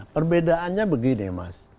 perbedaannya begini mas